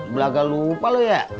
belagal lupa lo ya